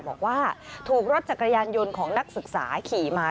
บอกว่าถูกรถจักรยานยนต์ของนักศึกษาขี่มา